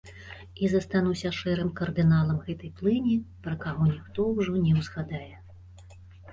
І застануся шэрым кардыналам гэтай плыні, пра каго ніхто ўжо не ўзгадае.